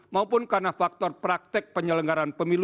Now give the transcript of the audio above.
maupun karena faktor praktek penyelenggaraan pemilu